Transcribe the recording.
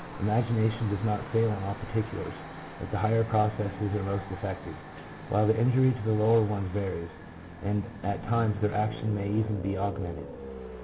Imagination does not fail in all particulars, but* the higher processes are most affected, while the injury to the lower ones varies, and at times their action may even be augmented.